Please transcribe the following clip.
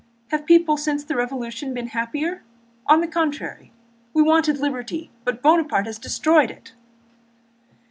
Have people since the Revolution become happier? On the contrary. We wanted liberty, but Buonaparte has destroyed it."